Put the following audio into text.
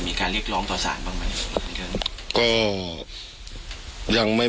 มีการเรียกร้องต่อศาลบ้างไหมคืออะไรอย่างนี้